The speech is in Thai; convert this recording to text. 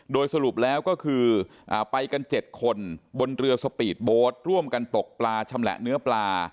โดยสรุปแล้วก็คือไปกัน๗คนบนเรือสปีดโบ๊ทร่วมกันตกปลาชำแหละเนื้อปลา